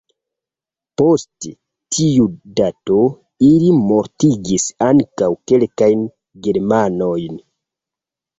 Post tiu dato, ili mortigis ankaŭ kelkajn germanojn.